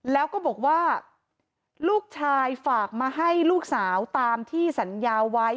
แล้วก็บอกว่าลูกชายฝากมาให้ลูกสาวตามที่สัญญาไว้